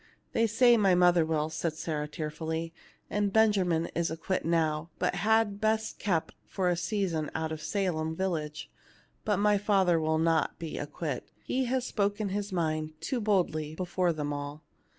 "They say my mother will," answered Sarah, tearfully ; "and Benjamin is acquit now, but had best keep for a season out of Salem village. But my father will not be acquit ; he has spoken his mind too boldly before them all."